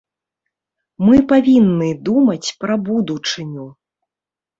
Мы павінны думаць пра будучыню.